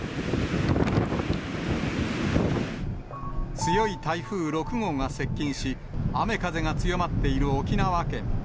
強い台風６号が接近し、雨風が強まっている沖縄県。